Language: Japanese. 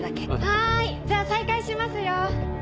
はーい！じゃあ再開しますよ。